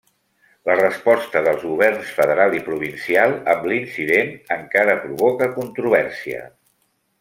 La resposta dels governs federal i provincial amb l'incident encara provoca controvèrsia.